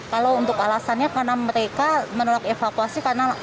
kalau untuk alasannya karena mereka menolak evakuasi karena